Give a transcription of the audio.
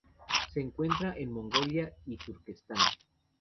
Se encuentra en Mongolia y Turquestán.